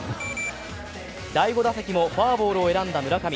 第５打席もフォアボールを選んだ村上。